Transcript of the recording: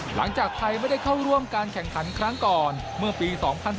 หลังจากไทยไม่ได้เข้าร่วมการแข่งขันครั้งก่อนเมื่อปี๒๐๑๘